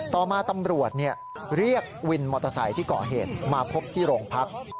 ต่อมาตำรวจเรียกวินมอเตอร์ไซค์ที่เกาะเหตุมาพบที่โรงพัก